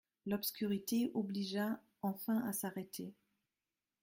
L'obscurité obligea enfin à s'arrêter.